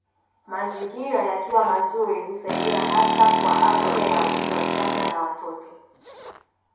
Mazingira yakiwa mazuri husaidia hasa kwa afya ya watoto wachanga na watoto